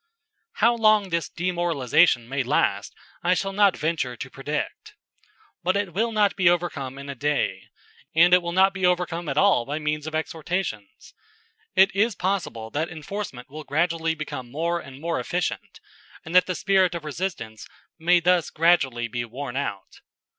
How long this demoralization may last I shall not venture to predict. But it will not be overcome in a day; and it will not be overcome at all by means of exhortations. It is possible that enforcement will gradually become more and more efficient, and that the spirit of resistance may thus gradually be worn out.